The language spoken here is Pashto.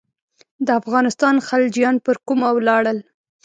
د افغانستان خلجیان پر کومه ولاړل.